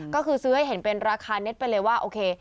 ก็คือซื้อให้เห็นเป็นราคาเน็ตไปเลยว่าโอเค